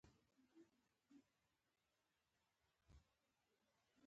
کله ناکله ځان ته د خوښۍ د څو شېبو اجازه ورکړه.